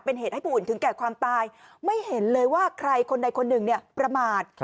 เป็นเหตุให้ผู้อื่นถึงแก่ความตายไม่เห็นเลยว่าใครคนใดคนหนึ่งเนี่ยประมาท